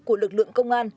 của lực lượng công an